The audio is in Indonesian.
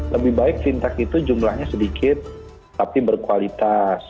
lebih baik fintech itu jumlahnya sedikit tapi berkualitas